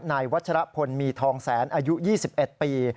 นายวัชรพลมีทองแสนอายุ๒๑ปี